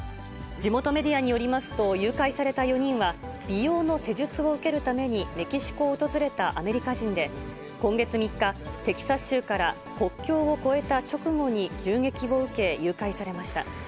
地元メディアによりますと、誘拐された４人は、美容の施術を受けるためにメキシコを訪れたアメリカ人で、今月３日、テキサス州から国境を越えた直後に銃撃を受け、誘拐されました。